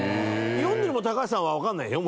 読んでる高橋さんはわかんないでしょ？